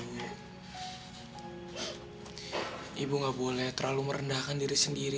ibu gak boleh terlalu merendahkan diri sendiri